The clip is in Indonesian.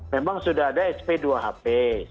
memang sudah ada sp dua hp